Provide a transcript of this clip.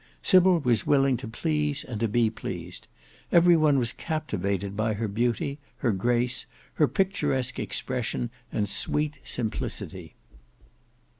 Sybil was willing to please and to be pleased: every one was captivated by her beauty, her grace, her picturesque expression and sweet simplicity.